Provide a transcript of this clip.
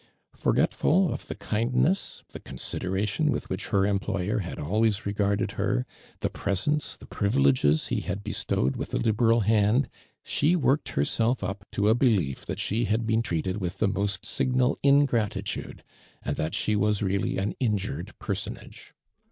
Forgetful of the kindness, tlie conside ration with which her employer hnd always regarded her, the presents, the privileges he had bestowed with a liberal hand, she worked herself up to a belief that she had been treate<l with the most signal ingrati tude, Jind that she was really an injured personage.